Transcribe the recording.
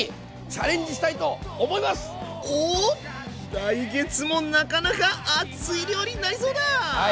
来月もなかなか熱い料理になりそうだ！